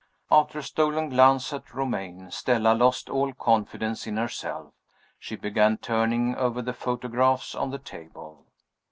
After a stolen glance at Romayne, Stella lost all confidence in herself she began turning over the photographs on the table.